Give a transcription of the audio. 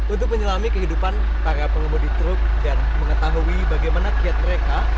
untuk menyelami kehidupan para pengemudi truk dan mengetahui bagaimana kiat mereka